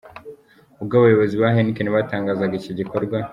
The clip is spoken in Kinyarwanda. Ubwo abayobozi ba Heineken batangazaga iki gikorwa.